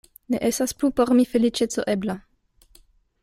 Ne estas plu por mi feliĉeco ebla.